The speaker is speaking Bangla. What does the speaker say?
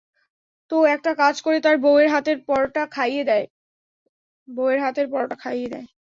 তো একটা কাজ কর তোর বৌয়ের হাতের পরটা খাইয়ে দে!